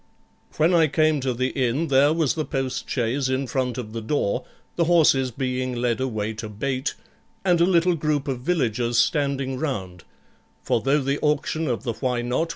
When I came to the inn, there was the postchaise in front of the door, the horses being led away to bait, and a little group of villagers standing round; for though the auction of the Why Not?